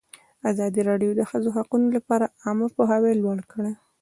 ازادي راډیو د د ښځو حقونه لپاره عامه پوهاوي لوړ کړی.